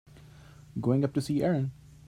Going up to see Erin.